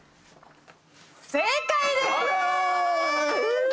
正解でーす！